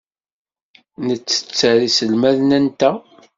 Nettetter iselmaden-nteɣ.